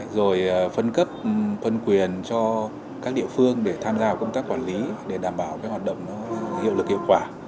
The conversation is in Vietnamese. rồi phân cấp phân quyền cho các địa phương để tham gia công tác quản lý để đảm bảo cái hoạt động hiệu lực hiệu quả